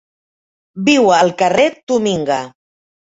Viu al carrer Toominga.